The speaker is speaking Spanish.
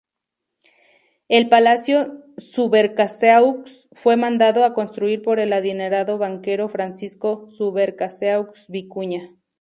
El Palacio Subercaseaux fue mandado a construir por el adinerado banquero Francisco Subercaseaux Vicuña.